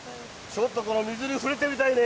ちょっとこの水に触れてみたいね。